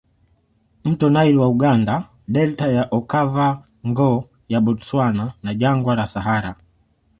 Mto Nile wa Uganda Delta ya Okava ngo ya Bostwana na Jangwa la Sahara